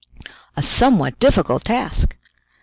A somewhat difficult task!